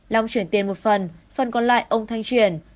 long chuyển tiền một phần phần còn lại ông thanh chuyển